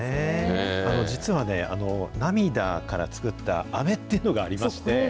実はね、涙から作ったあめっていうのがありまして。